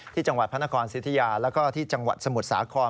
ที่จังหวัดพนครสิทยาและที่จังหวัดสมุทรสาคร